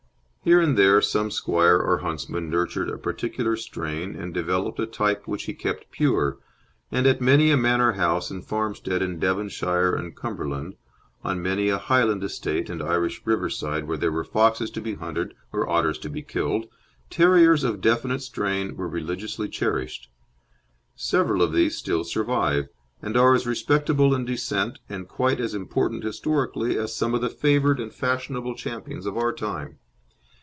Here and there some squire or huntsman nurtured a particular strain and developed a type which he kept pure, and at many a manor house and farmstead in Devonshire and Cumberland, on many a Highland estate and Irish riverside where there were foxes to be hunted or otters to be killed, terriers of definite strain were religiously cherished. Several of these still survive, and are as respectable in descent and quite as important historically as some of the favoured and fashionable champions of our time.